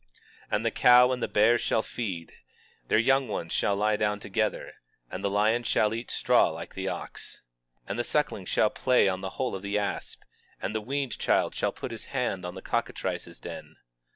21:7 And the cow and the bear shall feed; their young ones shall lie down together; and the lion shall eat straw like the ox. 21:8 And the suckling child shall play on the hole of the asp, and the weaned child shall put his hand on the cockatrice's den.